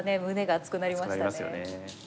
熱くなりますよね。